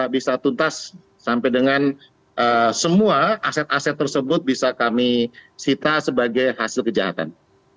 bisa tuntas sampai dengan semua aset aset tersebut bisa kami sita sebagai hasil kejahatan